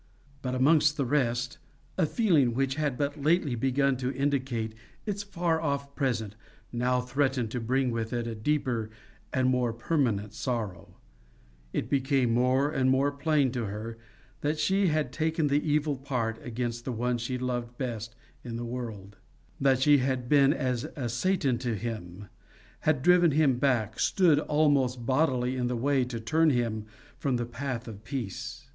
But amongst the rest, a feeling which had but lately begun to indicate its far off presence now threatened to bring with it a deeper and more permanent sorrow: it became more and more plain to her that she had taken the evil part against the one she loved best in the world; that she had been as a Satan to him; had driven him back, stood almost bodily in the way to turn him from the path of peace.